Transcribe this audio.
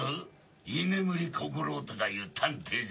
「居眠り小五郎」とかいう探偵じゃろ？